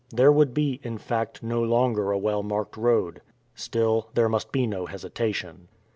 There would be, in fact, no longer a well marked road. Still, there must be no hesitation.